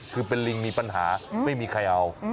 คือเป็นลิงมีปัญหาไม่มีใครเอา